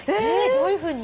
どういうふうに？